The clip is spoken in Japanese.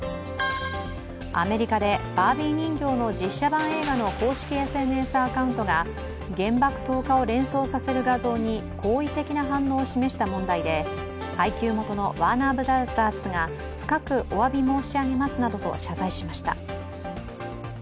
アメリカでバービー人形の実写版映画の公式ＳＮＮアカウントが原爆投下を連想させる画像に好意的な反応を示した問題で配給元のワーナー・ブラザースが深くおわび申し上げますなどと謝罪しました。